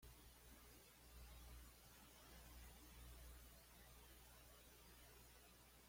El protagonista era un conductor de camión que manejaba su máquina por todo Japón.